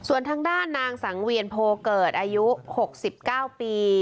ส่วนทางด้านนางสังเวียนโพเกิดอายุ๖๙ปี